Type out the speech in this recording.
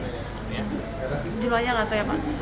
jumlahnya apa ya pak